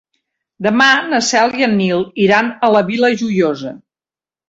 Demà na Cel i en Nil iran a la Vila Joiosa.